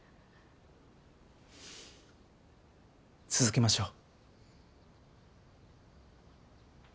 続けましょう。